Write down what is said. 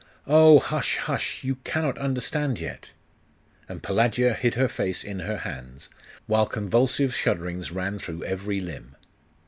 Oh, hush, hush! , you cannot understand yet!' And Pelagia hid her face in her hands, while convulsive shudderings ran through every limb....